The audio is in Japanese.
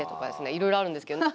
いろいろあるんですけど。